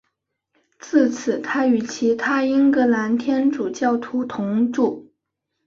自此他与其他英格兰天主教徒同住。